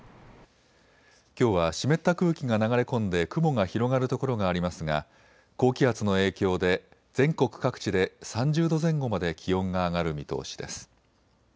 きょうは湿った空気が流れ込んで雲が広がる所がありますが高気圧の影響で全国各地で３０度前後まで気温が上がる見通しです。